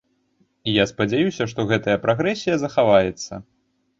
І я спадзяюся, што гэтая прагрэсія захаваецца.